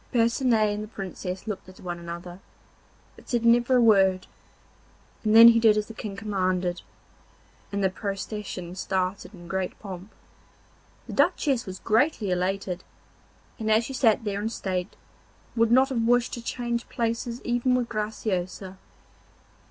Percinet and the Princess looked at one another, but said never a word, and then he did as the King commanded, and the procession started in great pomp. The Duchess was greatly elated, and as she sat there in state would not have wished to change places even with Graciosa.